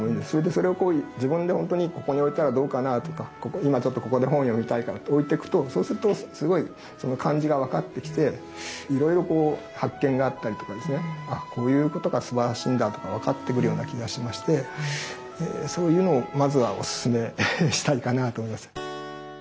それでそれをこう自分でほんとにここに置いたらどうかなとか今ここで本読みたいからって置いてくとそうするとすごいその感じが分かってきていろいろこう発見があったりとかですねこういうことがすばらしいんだとか分かってくるような気がしましてそういうのをまずはおすすめしたいかなと思います。